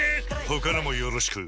他のもよろしく